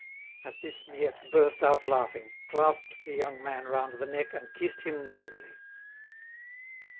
At this Miette burst out laughing, clasped the young man round the neck, and kissed him noisily.